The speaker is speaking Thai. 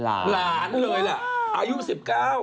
อายุ๑๙อะ